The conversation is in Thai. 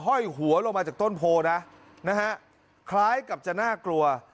ห้อยหัวลงมาจากต้นโพลนะนะฮะคล้ายกับจะน่ากลัว